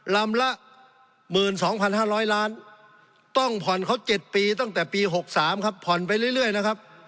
ลำละ๑๒๕๐๐ล้านต้องผ่อนเขา๗ปีตั้งแต่ปี๖๓ครับผ่อนไปเรื่อยนะครับ